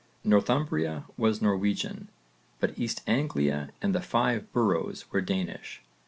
Northumbria was Norwegian, but East Anglia and the Five Boroughs were Danish.